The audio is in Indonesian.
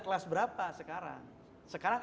kelas berapa sekarang sekarang